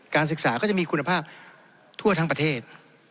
ศึกษาก็จะมีคุณภาพทั่วทั้งประเทศ